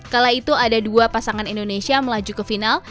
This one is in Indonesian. kala itu ada dua pasangan indonesia melaju ke final